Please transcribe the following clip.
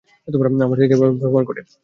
আমার স্ত্রীকে এভাবে ব্যবহার করে?